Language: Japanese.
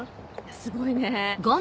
すごいね。